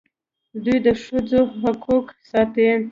دوی د ښځو حقوق ساتي.